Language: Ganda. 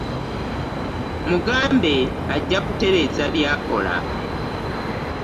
Mugambe ajja kutereeza by'akola.